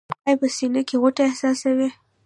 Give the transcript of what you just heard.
ایا په سینه کې غوټه احساسوئ؟